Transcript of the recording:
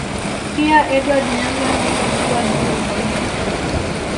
Pia Edward Nyanza ndilo ziwa dogo zaidi